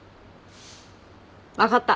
分かった。